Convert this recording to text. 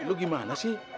mi lu gimana sih